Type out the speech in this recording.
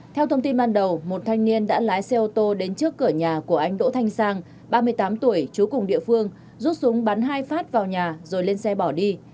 theo thông tin ban đầu một thanh niên đã lái xe ô tô đến trước cửa nhà của anh đỗ thanh sang ba mươi tám tuổi chú cùng địa phương rút súng bắn hai phát vào nhà rồi lên xe bỏ đi